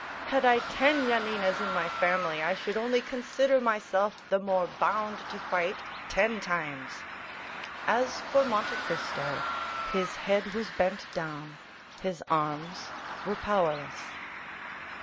Had I ten Yaninas in my family, I should only consider myself the more bound to fight ten times." As for Monte Cristo, his head was bent down, his arms were powerless.